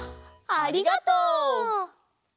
ありがとう。